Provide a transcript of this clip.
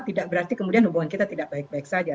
tidak berarti kemudian hubungan kita tidak baik baik saja